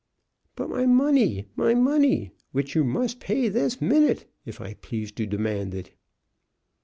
"But my money my money, which you must pay this minute, if I please to demand it."